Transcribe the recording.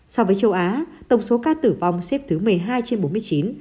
so với châu á tổng số ca tử vong xếp thứ một mươi hai trên bốn mươi chín